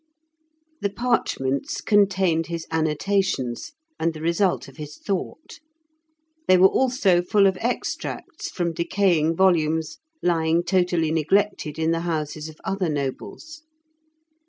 The parchments contained his annotations, and the result of his thought; they were also full of extracts from decaying volumes lying totally neglected in the houses of other nobles.